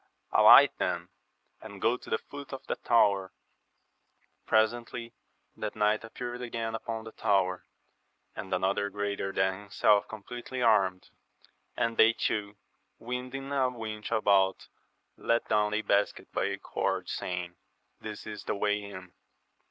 — ^Alight, then, and go to the foot oi \*\i«^» \»Q>Net, AMADIS OF GAUL, 151 Presently that knight appeared again upon the tower, and another greater than himself completely armed ;* and they two winding a winch about, let down a basket by a cord, saying. This is the way in.